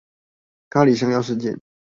咖哩香料事件